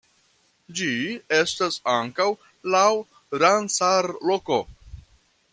Ĝi estas ankaŭ laŭ Ramsar-loko.